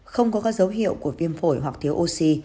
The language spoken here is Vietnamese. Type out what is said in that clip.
không có các dấu hiệu của viêm phổi hoặc thiếu oxy